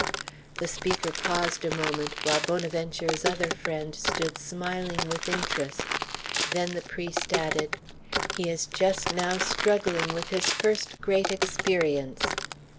The speaker paused a moment, while Bonaventure's other friend stood smiling with interest; then the priest added, "He is just now struggling with his first great experience."